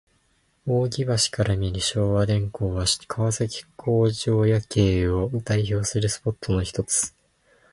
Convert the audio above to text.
扇橋から見る昭和電工は、川崎工場夜景を代表するスポットのひとつ。